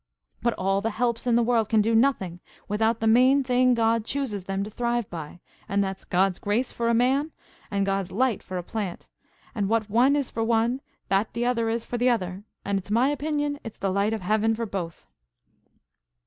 But all the helps in the world can do nothing without the main thing God chooses them to thrive by, and that's God's grace for a man, and God's light for a plant; and what one is for one, that the other is for the other, and it's my opinion it's the light of Heaven for both."